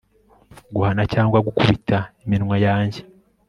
Guhana cyangwa gukubita iminwa yanjye